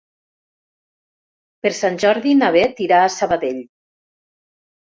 Per Sant Jordi na Beth irà a Sabadell.